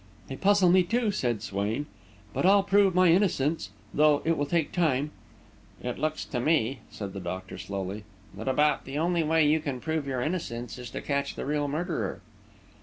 "They puzzle me, too," said Swain; "but I'll prove my innocence though it will take time." "It looks to me," said the doctor, slowly, "that about the only way you can prove your innocence is to catch the real murderer."